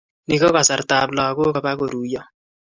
Ni ko kasartab lagok Koba koruiyo